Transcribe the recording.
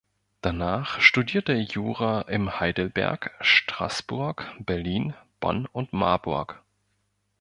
Danach studierte er Jura in Heidelberg, Straßburg, Berlin, Bonn und Marburg.